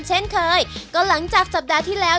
เช่นเคยก็หลังจากสัปดาห์ที่แล้ว